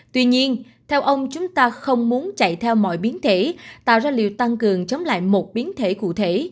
tuy nhiên theo ông chúng ta không muốn chạy theo mọi biến thể tạo ra liệu tăng cường chống lại một biến thể cụ thể